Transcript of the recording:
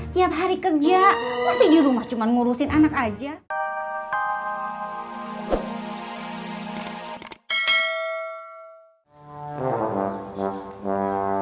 tiap hari kerja masih di rumah cuma ngurusin anak aja